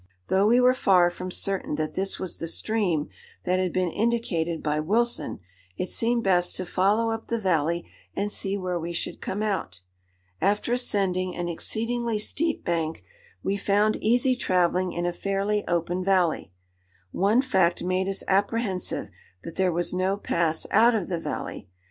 Though we were far from certain that this was the stream that had been indicated by Wilson, it seemed best to follow up the valley and see where we should come out. After ascending an exceedingly steep bank, we found easy travelling in a fairly open valley. One fact made us apprehensive that there was no pass out of the valley.